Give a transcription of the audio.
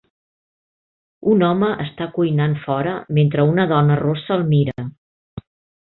Un home està cuinant fora mentre una dona rossa el mira.